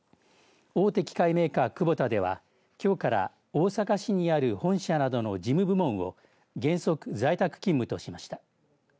大手機械メーカークボタではきょうから大阪市にある本社などの事務部門を原則在宅勤務としました。